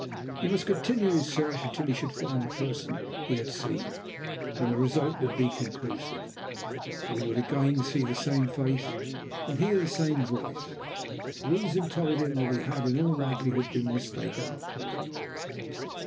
He must continue his search until he should find the person he had seen, and the result would be conclusive, for he would again see the same face and hear the same voice. Reason told him that he had in all likelihood been mistaken after all.